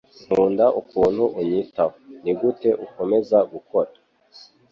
Nkunda ukuntu unyitaho. Nigute ukomeza gukora